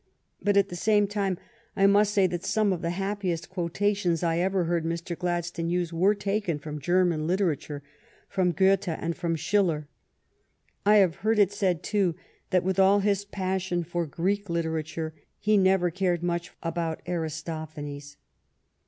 But at the same time I must say that some of the happiest quotations I ever heard Mr. Gladstone use were taken from German literature — from Goethe and from Schiller. I have heard it said, too, that with all his passion for Greek literature, he never cared much about Aristophanes.